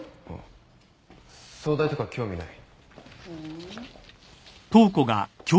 総代とか興味ない。